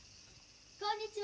・こんにちは！